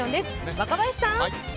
若林さん。